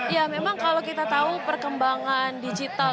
ya memang kalau kita tahu perkembangan digital